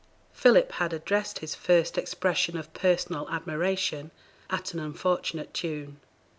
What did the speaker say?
Philip had addressed his first expression of personal admiration at an unfortunate tune.